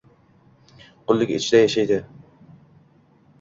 qullik ichida yashaydi.